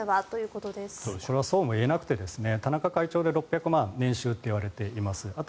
これはそうも言えなくて田中会長で６００万年収といわれています。